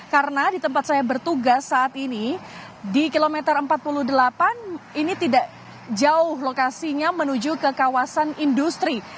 karena di tempat saya bertugas saat ini di kilometer empat puluh delapan ini tidak jauh lokasinya menuju ke kawasan industri